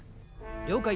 了解！